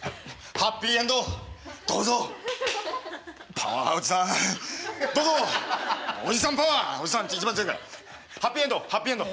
ハッピーエンドをハッピーエンドを。